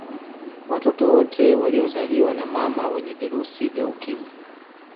Watoto wote waliozaliwa na mama wenye virusi vya Ukimwi